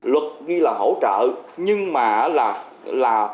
luật như là hỗ trợ nhưng mà là